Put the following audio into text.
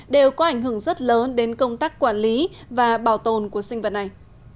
đều có ảnh hưởng rất lớn đến công tác quản lý và bảo tồn của sinh vật này